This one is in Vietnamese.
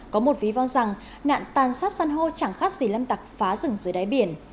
có một ví von rằng nạn tàn sát săn hô chẳng khác gì lâm tặc phá rừng dưới đáy biển